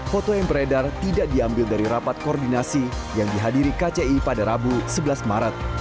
foto yang beredar tidak diambil dari rapat koordinasi yang dihadiri kci pada rabu sebelas maret